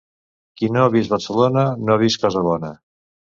Qui no ha vist Barcelona, no ha vist cosa bona.